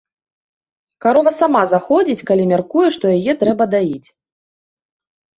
Карова сама заходзіць, калі мяркуе, што яе трэба даіць.